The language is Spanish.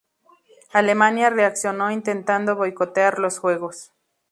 Alemania reaccionó intentando boicotear los juegos.